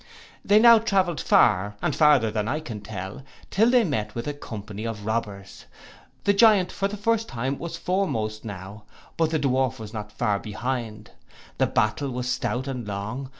They now travelled far, and farther than I can tell, till they met with a company of robbers. The Giant, for the first time, was foremost now; but the Dwarf was not far behind. The battle was stout and long.